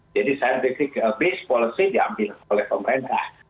jadi saintifik base policy diambil oleh pemerintah